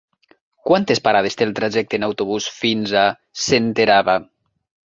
Quantes parades té el trajecte en autobús fins a Senterada?